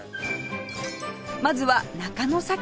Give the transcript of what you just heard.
まずは中野坂上